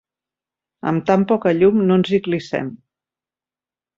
Amb tan poca llum, no ens hi clissem.